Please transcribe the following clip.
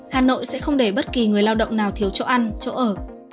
hà nội sẽ không để bất kỳ người lao động nào thiếu chỗ ăn chỗ ở